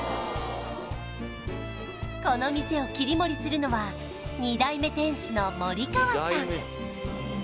この店を切り盛りするのは２代目店主の森川さん